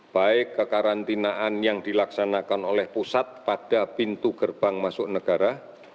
baik kekarantinaan yang dilaksanakan oleh pusat pada pintu gerbang masuk negara